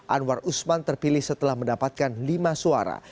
anwar usman terpilih setelah mendapatkan lima suara